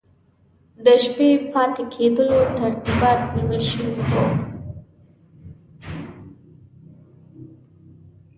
د شپې د پاته کېدلو ترتیبات نیول سوي وو.